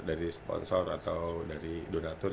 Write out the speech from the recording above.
dari sponsor atau dari donatur